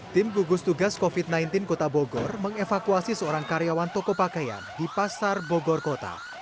tim gugus tugas covid sembilan belas kota bogor mengevakuasi seorang karyawan toko pakaian di pasar bogor kota